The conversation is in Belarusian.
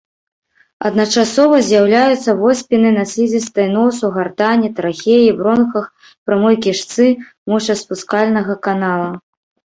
Адначасова з'яўляюцца воспіны на слізістай носу, гартані, трахеі, бронхах, прамой кішцы, мочаспускальнага канала.